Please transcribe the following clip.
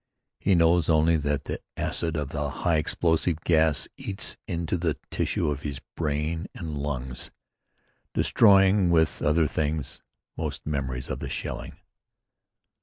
He knows only that the acid of the high explosive gas eats into the tissue of his brain and lungs, destroying with other things, most memories of the shelling.